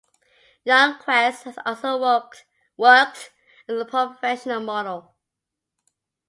Youngquest has also worked as a professional model.